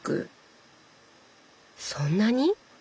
そんなに？